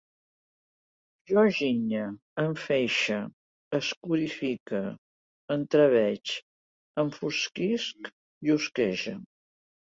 Jo ginye, enfeixe, escorifique, entreveig, enfosquisc, llosquege